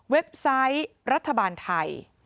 ไซต์รัฐบาลไทย